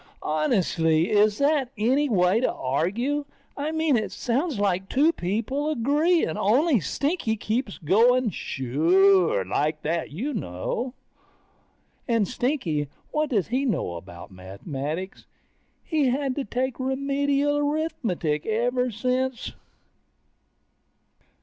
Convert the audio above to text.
Honestly, is that any way to argue? I mean it sounds like two people agreeing, only Stinky keeps going suuure, like that, you know? And Stinky, what does he know about mathematics? He's had to take Remedial Arithmetic ever since